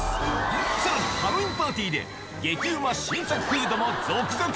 さらにハロウィーンパーティーで激うま新作フードも続々。